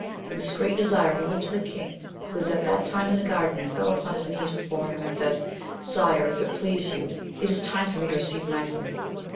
With this desire he went to the king, who was at that time in the garden, and fell upon his knees before him, and said. Sire, if it please you, it is time for me to receive knighthood.